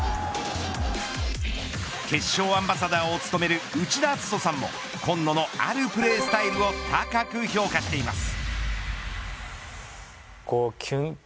決勝アンバサダーを務める内田篤人さんも紺野のあるプレースタイルを高く評価しています。